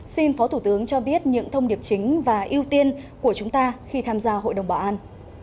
xin phó thủ tướng cho biết những thông điệp chính và ưu tiên của chúng ta khi tham gia hội đồng bảo an